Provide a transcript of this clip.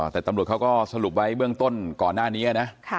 แต่ตำรวจเขาก็สรุปไว้เบื้องต้นก่อนหน้านี้นะ